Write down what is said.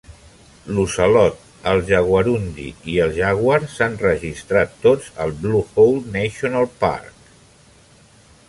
L'ocelot, el jaguarundi i el jaguar s'han registrat tots al Blue Hole National Park.